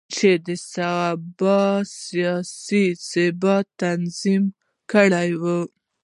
چې د سبا سیاسي ثبات تضمین کړو.